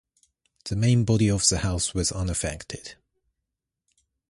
The main body of the house was unaffected.